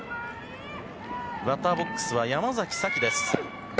バッターボックスは山崎早紀。